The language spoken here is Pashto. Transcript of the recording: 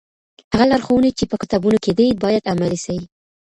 هغه لارښوونې چي په کتابونو کي دي، بايد عملي سي.